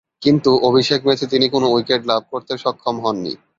কিন্তু অভিষেক ম্যাচে তিনি কোন উইকেট লাভ করতে সক্ষম হননি।